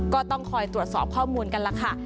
ก็ต้องคอยตรวจสอบข้อมูลกันล่ะค่ะ